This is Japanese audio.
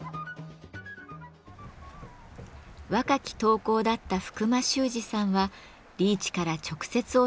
若き陶工だった福間士さんはリーチから直接教えを受けました。